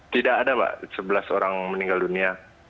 tidak ada pak sebelas orang meninggal dunia